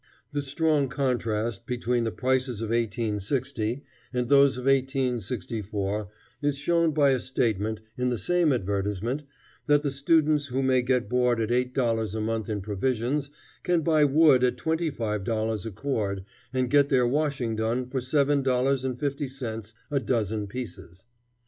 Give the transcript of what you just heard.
The strong contrast between the prices of 1860 and those of 1864 is shown by a statement, in the same advertisement, that the students who may get board at eight dollars a month in provisions, can buy wood at twenty five dollars a cord and get their washing done for seven dollars and fifty cents a dozen pieces.